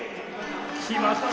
きまった。